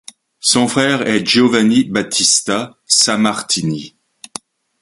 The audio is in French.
Son frère est Giovanni Battista Sammartini.